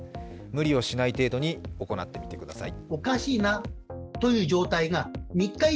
無理をしない程度に行ってみてください。